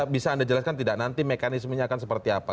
bisa anda jelaskan tidak nanti mekanismenya akan seperti apa